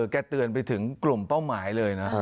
เตือนไปถึงกลุ่มเป้าหมายเลยนะ